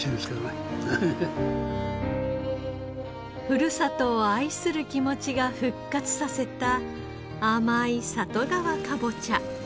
ふるさとを愛する気持ちが復活させた甘い里川かぼちゃ。